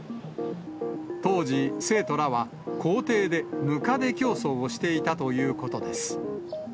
当時、生徒らは校庭でムカデ競走をしていたということです。